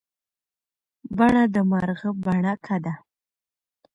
بڼه د مارغه بڼکه ده.